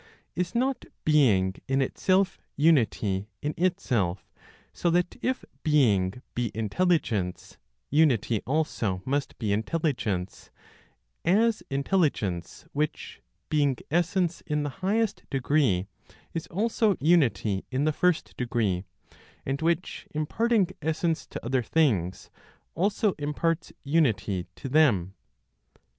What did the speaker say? Is not being in itself unity in itself, so that if being be intelligence, unity also must be intelligence, as intelligence which, being essence in the highest degree, is also unity in the first degree, and which, imparting essence to other things, also imparts unity to them?